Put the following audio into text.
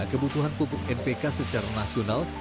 kebutuhan pupuk npk secara nasional